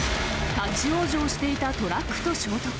立往生していたトラックと衝突。